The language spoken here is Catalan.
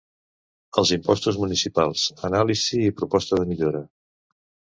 Els impostos municipals: anàlisi i proposta de millora.